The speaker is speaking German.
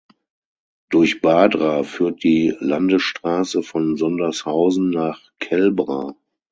Durch Badra führt die Landesstraße von Sondershausen nach Kelbra.